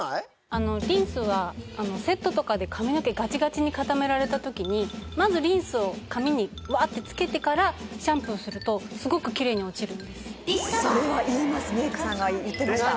あのリンスはセットとかで髪の毛ガチガチに固められた時にまずリンスを髪にワーってつけてからシャンプーするとすごくキレイに落ちるんですそれは言いますメイクさんが言ってました何？